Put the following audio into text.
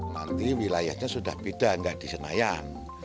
nanti wilayahnya sudah beda nggak di senayan